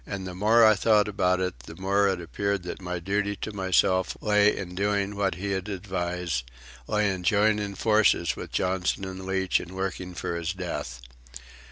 And the more I thought about it the more it appeared that my duty to myself lay in doing what he had advised, lay in joining forces with Johnson and Leach and working for his death.